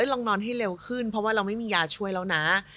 ลองนอนให้เร็วขึ้นเพราะว่าเราไม่มียาช่วยแล้วนะ